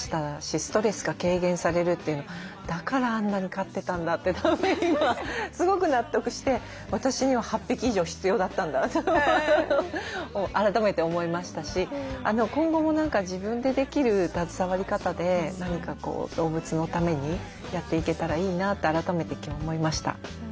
ストレスが軽減されるっていうのをだからあんなに飼ってたんだって今すごく納得して私には８匹以上必要だったんだなと改めて思いましたし今後も何か自分でできる携わり方で何か動物のためにやっていけたらいいなって改めて今日思いました。